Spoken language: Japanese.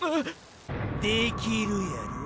できるやろ？